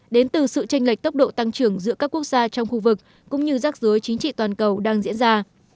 gấp độ tăng trưởng giữa các quốc gia trong khu vực cũng như rắc rối chính trị toàn cầu đang diễn ra